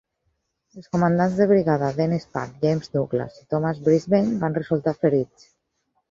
Els comandants de brigada Denis Pack, James Douglas i Thomas Brisbane van resultar ferits.